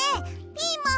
ピーマン。